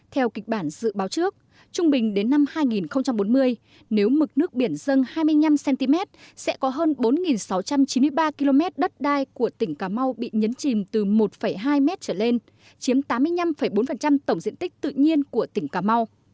theo kịch bản dự báo trước trung bình đến năm hai nghìn bốn mươi nếu mực nước biển dân hai mươi năm cm sẽ có hơn bốn sáu trăm chín mươi ba km đất đai của tỉnh cà mau bị nhấn chìm từ một hai m trở lên chiếm tám mươi năm bốn tổng diện tích tự nhiên của tỉnh cà mau